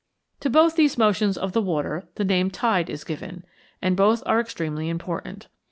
To both these motions of the water the name tide is given, and both are extremely important.